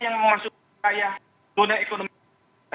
yang memasuki wilayah zona ekonomi